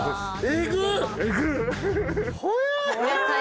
えぐっ！